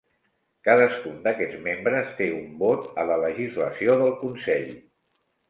Cadascun d'aquests membres té un vot a la legislació del consell.